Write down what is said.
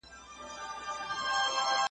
پر سرو سکروټو پر اغزیو د بېدیا راځمه .